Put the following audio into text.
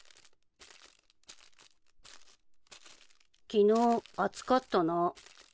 昨日暑かったな。